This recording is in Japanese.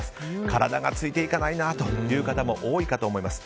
体がついていかないなという方も多いかと思います。